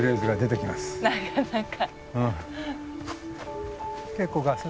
なかなか。